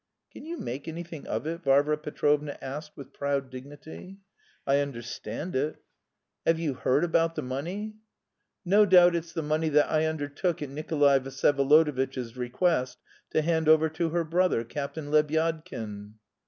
"Can you make anything of it?" Varvara Petrovna asked with proud dignity. "I understand it...." "Have you heard about the money?" "No doubt it's the money that I undertook at Nikolay Vsyevolodovitch's request to hand over to her brother, Captain Lebyadkin."